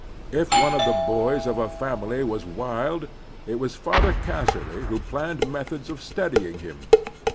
If one of the boys of a family was wild, it was Father Casserly who planned methods of steady ing him.